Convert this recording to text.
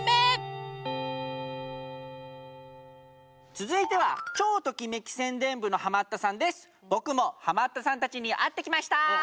続いては僕もハマったさんたちに会ってきました！